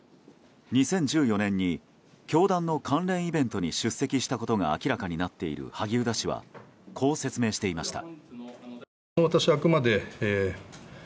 ２０１４年に教団の関連イベントに出席したことが明らかになっている萩生田氏はこう説明していました。